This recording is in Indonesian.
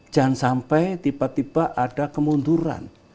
jangan sampai tiba tiba ada kemunduran